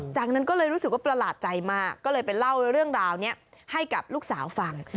จากนั้นก็เลยรู้สึกว่าประหลาดใจมากก็เลยไปเล่าเรื่องราวนี้ให้กับลูกสาวฟัง